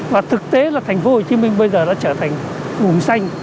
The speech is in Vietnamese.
và thực tế là thành phố hồ chí minh bây giờ nó trở thành vùng xanh